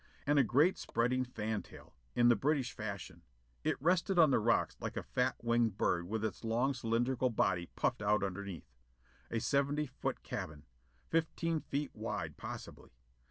And a great spreading fan tail, in the British fashion. It rested on the rocks like a fat winged bird with its long cylindrical body puffed out underneath. A seventy foot cabin: fifteen feet wide, possibly.